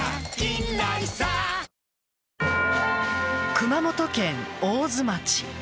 熊本県大津町。